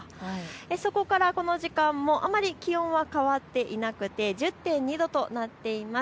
そこからこの時間もあまり気温は変わっていなくて１０．２度となっています。